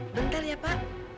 bentar ya pak